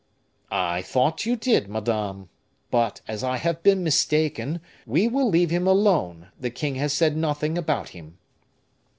"I thought you did, madame. But as I have been mistaken, we will leave him alone; the king has said nothing about him."